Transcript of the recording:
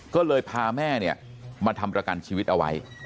ก็เลยพาแม่มาทำประกันชีวิตเอาไว้